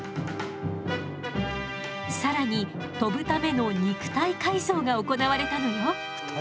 更に飛ぶための肉体改造が行われたのよ。